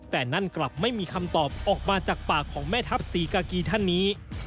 แต่นั่นกลับไม่มีคำตอบออกมาจากปากของแม่ทัพศรีกากีท่านนี้